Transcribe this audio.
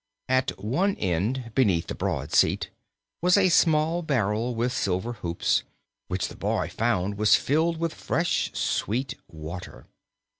At one end, beneath the broad seat, was a small barrel with silver hoops, which the boy found was filled with fresh, sweet water.